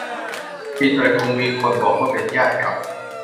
อีกหน่อยคงมีคนบอกว่า เป็นญาติกับ